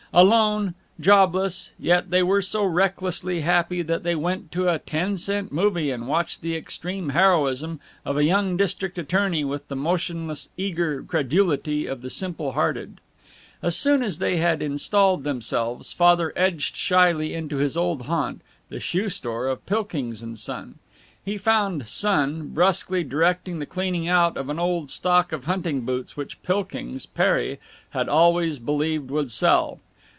Alone, jobless, yet they were so recklessly happy that they went to a ten cent movie and watched the extreme heroism of a young district attorney with the motionless eager credulity of the simple hearted. As soon as they had installed themselves, Father edged shyly into his old haunt, the shoe store of Pilkings & Son. He found Son brusquely directing the cleaning out of an old stock of hunting boots which Pilkings, père, had always believed would sell.